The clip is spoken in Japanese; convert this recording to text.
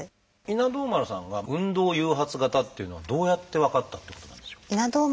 稲童丸さんが運動誘発型っていうのはどうやって分かったっていうことなんでしょう？